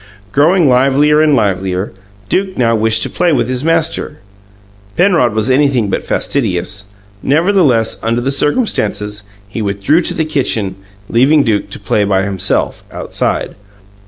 Growing livelier and livelier, Duke now wished to play with his master. Penrod was anything but fastidious; nevertheless, under the circumstances, he withdrew to the kitchen, leaving Duke to play by himself, outside.